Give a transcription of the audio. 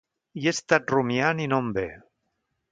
Hi he estat rumiant i no em ve.